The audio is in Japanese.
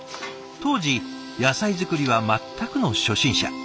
当時野菜作りは全くの初心者。